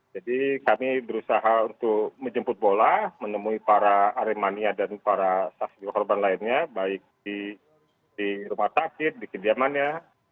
jadi kami berusaha untuk menjemput bola menemui para arimania dan para saksi korban lainnya baik di rumah takdir di kediamannya